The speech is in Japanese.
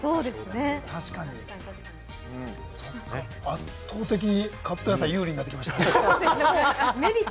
圧倒的にカット野菜が有利になってきましたね。